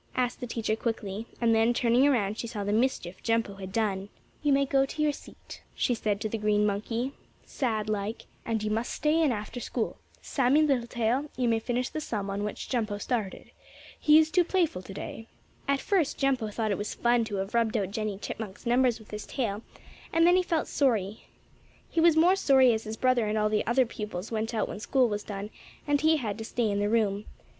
asked the teacher quickly, and then, turning around, she saw the mischief Jumpo had done. "You may go to your seat," she said to the green monkey, sad like, "and you must stay in after school. Sammie Littletail, you may finish the sum on which Jumpo started. He is too playful today." At first Jumpo thought it was fun to have rubbed out Jennie Chipmunk's numbers with his tail, and then he felt sorry. He was more sorry as his brother and all the other pupils went out when school was done, and he had to stay in the room.